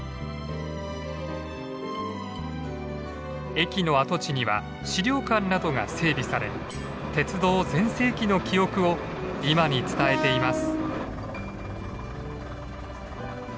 駅の跡地には資料館などが整備され鉄道全盛期の記憶を今に伝えています。